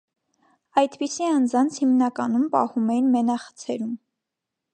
Այդպիսի անձանց հիմնականում պահում էին մենախցերում։